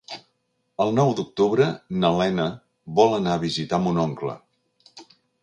El nou d'octubre na Lena vol anar a visitar mon oncle.